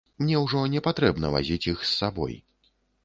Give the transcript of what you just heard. Мне ўжо не патрэбна вазіць іх з сабой.